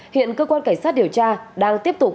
hiện cơ quan cảnh sát điều tra đang tiếp tục